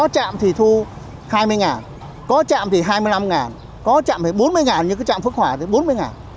trạm thì thu hai mươi ngàn có trạm thì hai mươi năm ngàn có trạm thì bốn mươi ngàn như cái trạm phước hòa thì bốn mươi ngàn